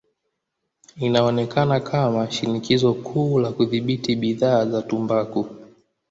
Ilionekana kama shinikizo kuu la kudhibiti bidhaa za tumbaku.